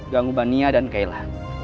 ganggu bania dan kayla